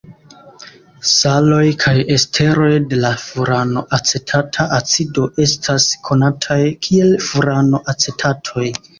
Saloj kaj esteroj de la furanoacetata acido estas konataj kiel furanoacetatoj.